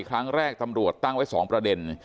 ครั้งแรกตำรวจตั้งไว้๒ประเด็น